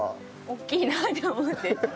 大きいなあって思って。